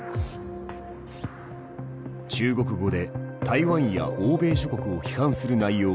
中国語で台湾や欧米諸国を批判する内容を投稿。